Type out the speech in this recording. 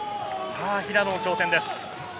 平野の挑戦です。